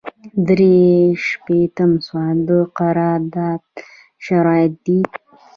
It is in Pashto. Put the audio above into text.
درې شپیتم سوال د قرارداد شرایط دي.